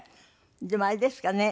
でもあれですかね。